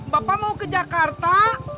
bapak mau ke jakarta